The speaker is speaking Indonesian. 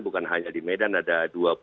bukan hanya di medan ada dua puluh tiga